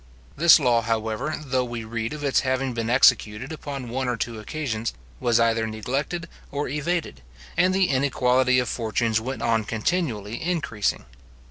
This law, however, though we read of its having been executed upon one or two occasions, was either neglected or evaded, and the inequality of fortunes went on continually increasing.